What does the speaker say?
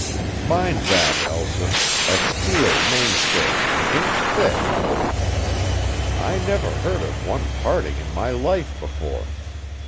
"Mind that, Elsa, a steel mainstay an inch thick. I never heard of one parting in my life before.